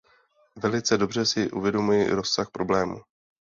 Velice dobře si uvědomuji rozsah problému.